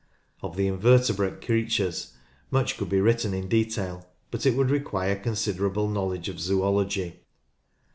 Of the invertebrate creatures much could be written in detail, but it would require considerable knowledge of zoology.